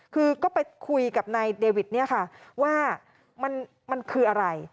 คือก็ไปคุยกับนายเดวิทเนี่ยค่ะว่ามันคืออะไร